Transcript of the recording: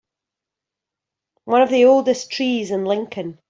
One of the oldest trees in Lincoln.